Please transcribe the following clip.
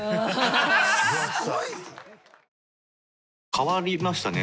変わりましたね。